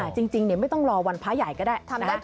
จริงไม่ต้องรอวันพระใหญ่ก็ได้